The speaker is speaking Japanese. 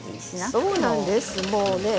そうなんです。